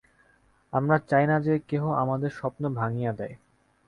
আমরা চাই না যে, কেহ আমাদের স্বপ্ন ভাঙিয়া দেয়।